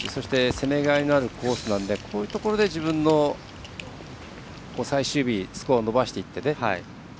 攻めがいのあるコースなのでこういうところで、自分の最終日スコアを伸ばしていってね。